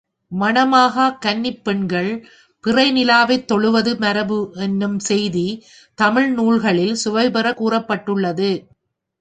மணமாகாக் கன்னிப் பெண்கள் பிறை நிலாவைத் தொழுவது மரபு என்னும் செய்தி தமிழ் நூல்களில் சுவைபெறக் கூறப்பட்டுள்ளது.